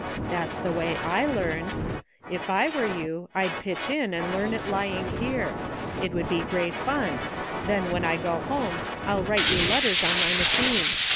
That's the way I learned. If I were you I'd pitch in and learn it lying here. It would be great fun; then when I go home I'll write you letters on my machine.